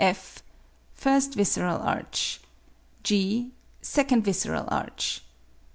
f. First visceral arch. g. Second visceral arch.